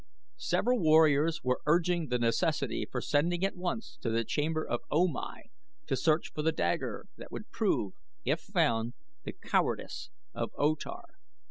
Several warriors were urging the necessity for sending at once to the chamber of O Mai to search for the dagger that would prove, if found, the cowardice of O Tar.